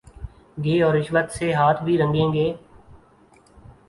گے اور رشوت سے ہاتھ بھی رنگیں گے۔